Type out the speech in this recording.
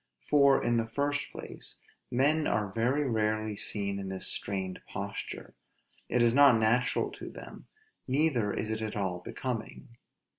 For, in the first place, men are very rarely seen in this strained posture; it is not natural to them; neither is it at all becoming.